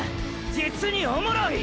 じつにおもろい！！